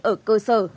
ở cơ sở